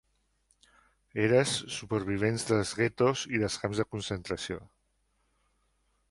Eres supervivents dels guetos i dels camps de concentració.